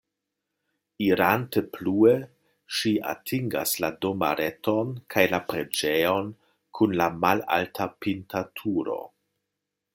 Irante plue ŝi atingas la domareton kaj la preĝejon kun la malalta pinta turo.